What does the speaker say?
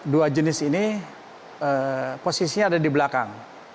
dua jenis ini posisinya ada di belakang